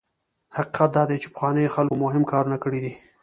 حقیقت دا دی چې پخوانیو خلکو مهم کارونه کړي دي.